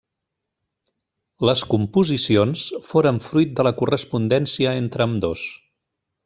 Les composicions foren fruit de la correspondència entre ambdós.